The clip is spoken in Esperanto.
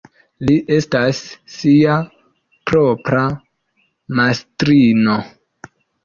Li estas sia propra mastrino.